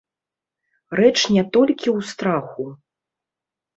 Рэч не толькі ў страху.